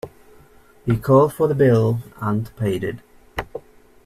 He called for the bill and paid it.